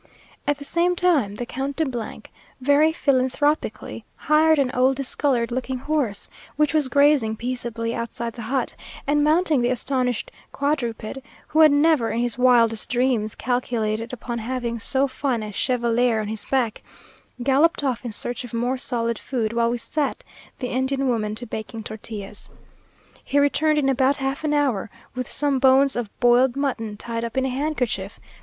At the same time, the Count de very philanthropically hired an old discoloured looking horse, which was grazing peaceably outside the hut, and mounting the astonished quadruped, who had never, in his wildest dreams, calculated upon having so fine a chevalier on his back, galloped off in search of more solid food, while we set the Indian women to baking tortillas. He returned in about half an hour, with some bones of boiled mutton, tied up in a handkerchief!